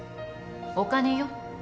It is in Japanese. お金よ。